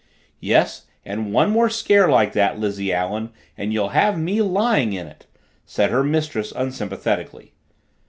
"Yes, and one more scare like that, Lizzie Allen, and you'll have me lying in it," said her mistress unsympathetically.